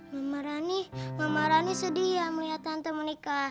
mama rani sedih melihat tante menikah